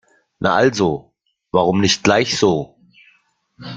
Na also, warum nicht gleich so?